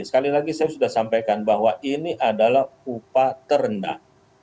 sekali lagi saya sudah sampaikan bahwa ini adalah upah terendah